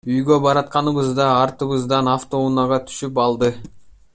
Үйгө баратканыбызда артыбыздан автоунаа түшүп алды.